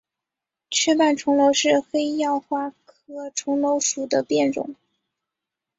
缺瓣重楼是黑药花科重楼属的变种。